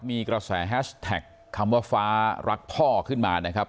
มีกระแสแฮชแท็กคำว่าฟ้ารักพ่อขึ้นมานะครับ